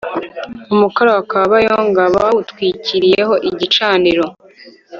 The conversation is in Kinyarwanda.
umukara wa kabayonga bawutwikireho igicaniro